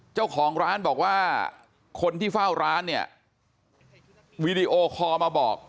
เจ้าของร้านบอกว่าคนที่เฝ้าร้านเนี่ยวีดีโอคอลมาบอก